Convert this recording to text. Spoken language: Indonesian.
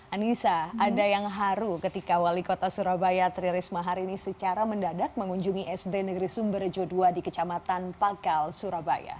anissa ada yang haru ketika wali kota surabaya tri risma hari ini secara mendadak mengunjungi sd negeri sumberjo ii di kecamatan pakal surabaya